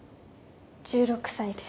１６歳です。